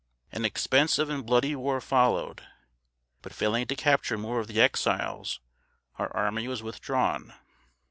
An expensive and bloody war followed; but failing to capture more of the Exiles, our army was withdrawn.